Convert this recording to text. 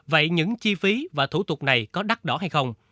vậy những chi phí và thủ tục này có đắt đỏ hay không